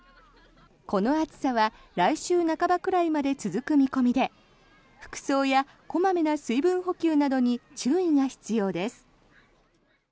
この暑さは来週半ばくらいまで続く見込みで服装や小まめな水分補給などに注意が必要です。